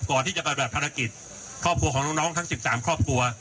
ก่อนที่จะปฏิบัติภารกิจครอบครัวของน้องทั้ง๑๓ครอบครัว